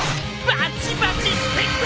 バチバチしてきた！